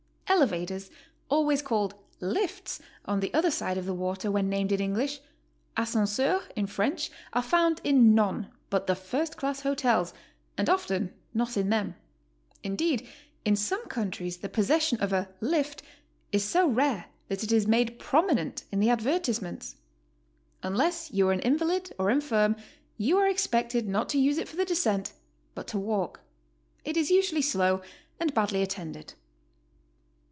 Elevators, always called 'iifts" on the other side of the water when named in English, '"ascenseurs" in French, are found in none but the first class hotels, and often not in them. Indeed, in some countries the possession of a "lift" is so rare that it is made prominent in the advertisements. Unless you are an invalid or infirm, you are expected not to use it for the descent, but to walk. ^ It is usually slow and badly attended.